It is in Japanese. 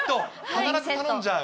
必ず頼んじゃう。